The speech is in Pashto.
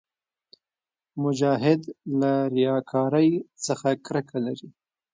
مجاهد له ریاکارۍ څخه کرکه لري.